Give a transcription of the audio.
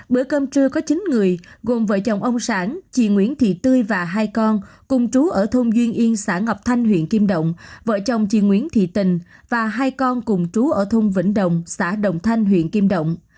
bữa cơm trưa có chín người gồm vợ chồng ông sản chị nguyễn thị tươi và hai con cùng trú ở thôn duyên yên xã ngọc thanh huyện kim động vợ chồng chị nguyễn thị tình và hai con cùng trú ở thôn vĩnh đồng xã đồng thanh huyện kim động